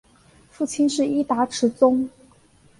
父亲是伊达持宗。